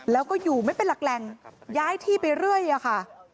แล้วก็อยู่ไม่เป็นหลักแหล่งย้ายที่ไปเรื่อยอะค่ะ